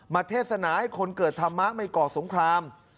เทศนาให้คนเกิดธรรมะไม่ก่อสงคราม